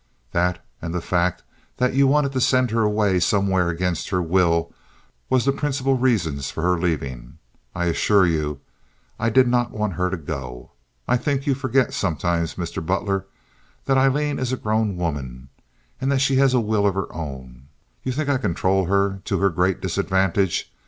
That, and the fact that you wanted to send her away somewhere against her will, was the principal reasons for her leaving. I assure you I did not want her to go. I think you forget sometimes, Mr. Butler, that Aileen is a grown woman, and that she has a will of her own. You think I control her to her great disadvantage.